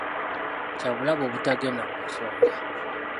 Kyabulabe obutagenda mu nsonga.